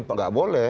oh itu nggak boleh